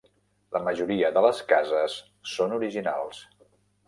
La majoria de les cases són originals.